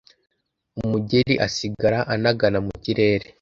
umugeri, asigara anagana mu kirere